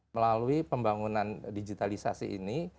melalui pembangunan digitalisasi ini